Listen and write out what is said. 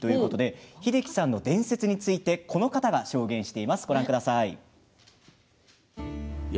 英樹さんの伝説についてこの方が証言しています。